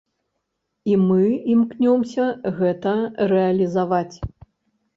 І мы імкнёмся гэта рэалізаваць.